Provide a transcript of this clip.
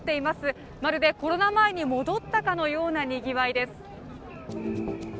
まるでコロナ前に戻ったかのようなにぎわいです。